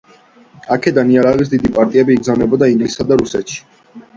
აქედან იარაღის დიდი პარტიები იგზავნებოდა ინგლისსა და რუსეთში.